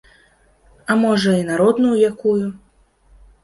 А, можа, і народную якую.